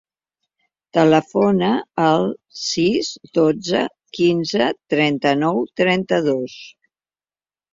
Telefona al sis, dotze, quinze, trenta-nou, trenta-dos.